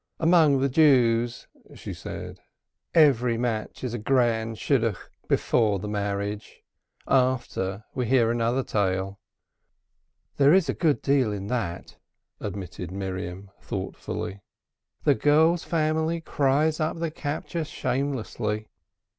"Among the Jews," she said, "every match is a grand Shidduch before the marriage; after, we hear another tale." "There is a good deal in that," admitted Miriam, thoughtfully. "The girl's family cries up the capture shamelessly.